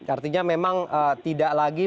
artinya memang tidak lagi